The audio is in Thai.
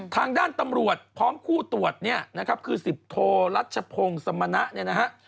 ทางด้านตำรวจพร้อมคู่ตรวจเนี่ยนะครับคือสิบโทรัชพงศ์สมณะเนี่ยนะฮะ